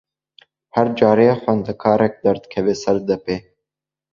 Her carê xwendekarek derdikeve ser depê.